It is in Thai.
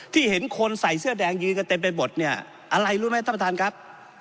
เห็นคนใส่เสื้อแดงยืนกันเต็มไปหมดเนี่ยอะไรรู้ไหมท่านประธานครับ